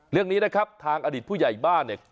เรื่องนี้นะครับทางอดีตผู้ใหญ่บ้านเนี่ย